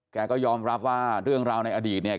แกก็ยอมรับว่าเรื่องราวในอดีตเนี่ย